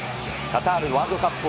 カタールワールドカップ